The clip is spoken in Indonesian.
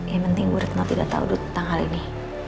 yang penting bu retno tidak tahu tentang hal ini